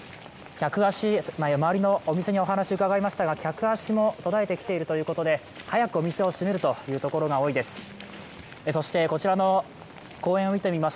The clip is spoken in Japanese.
周りのお店に聞きましたが客足も途絶えているところが多いということで早くお店を閉めるというところが多いです。